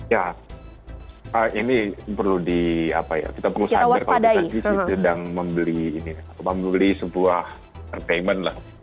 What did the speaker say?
ya ini perlu di apa ya kita perlu sadar kalau kita sedang membeli sebuah entertainment lah